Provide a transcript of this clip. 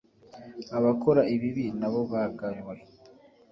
abakora ibibi nabo bagaywe